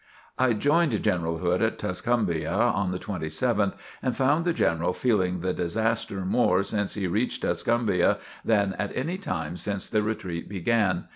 I joined General Hood at Tuscumbia on the 27th and found the General feeling the disaster more since he reached Tuscumbia than at any time since the retreat began.